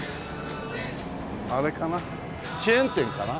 あれかなチェーン店かな？